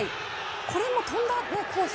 これも跳んだコース